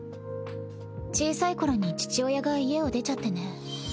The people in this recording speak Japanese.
小さい頃に父親が家を出ちゃってね。